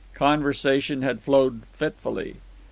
Conversation had flowed fitfully.